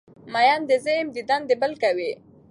مین دی زه یم دیدن دی بل کوی